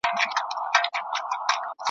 د غونډیو لوړي څوکي او جګ غرونه ,